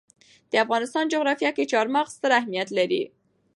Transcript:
د افغانستان جغرافیه کې چار مغز ستر اهمیت لري.